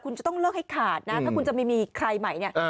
คุณจะต้องเลิกให้ขาดนะถ้าคุณจะไม่มีใครใหม่เนี่ย